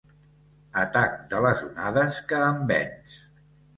Atac de les onades que em venç.